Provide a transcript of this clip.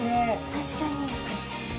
確かに。